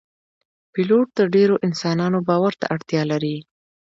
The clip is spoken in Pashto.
پیلوټ د ډیرو انسانانو باور ته اړتیا لري.